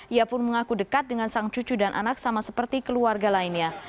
ia pun mengaku dekat dengan sang cucu dan anak sama seperti keluarga lainnya